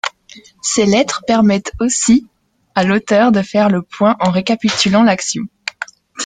Ces lettres permettent aussi à l'auteur de faire le point en récapitulant l'action.